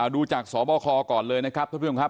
ดูจากสบคก่อนเลยนะครับทุกคนครับ